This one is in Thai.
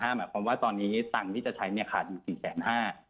หมายความว่าตอนนี้ตังค์ที่จะใช้ขาดอยู่๔๕๐๐บาท